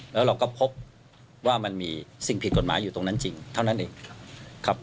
แล้วเราก็พบว่ามันมีสิ่งผิดกฎหมายอยู่ตรงนั้นจริงเท่านั้นเองครับ